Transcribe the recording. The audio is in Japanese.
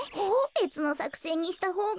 べつのさくせんにしたほうが。